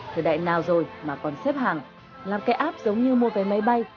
thời đại nào rồi mà còn xếp hàng làm cái app giống như mua vé máy bay